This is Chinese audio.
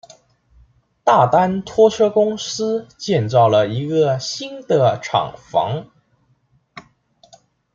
大丹拖车公司建造了一个新的厂房。